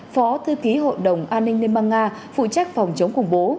phó thư ký hội đồng an ninh liên bang nga phụ trách phòng chống khủng bố